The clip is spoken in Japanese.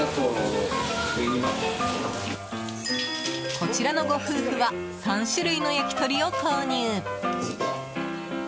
こちらのご夫婦は３種類の焼き鳥を購入。